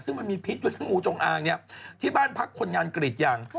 ซึ่งมันมีพิษด้วยทั้งงูจงอางเนี่ยที่บ้านพักคนงานกรีดยาง